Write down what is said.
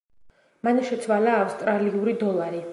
მან შეცვალა ავსტრალიური დოლარი.